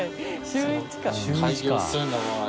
週１か。